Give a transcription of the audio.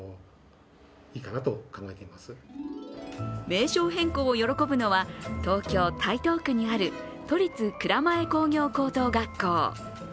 名称変更を喜ぶのは東京・台東区にある都立蔵前工業高等学校。